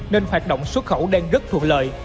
nên hoạt động xuất khẩu đang rất thuận lợi